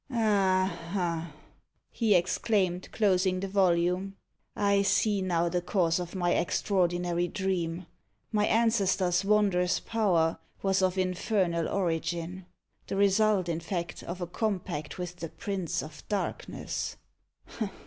"Aha!" he exclaimed, closing the volume, "I see now the cause of my extraordinary dream. My ancestor's wondrous power was of infernal origin the result, in fact, of a compact with the Prince of Darkness.